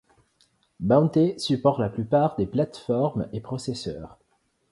Bound-T supporte la plupart des plateformes et processeurs.